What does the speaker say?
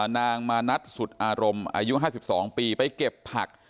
นางมานัดสุดอารมณ์อายุ๕๒ปีไปเก็บผัก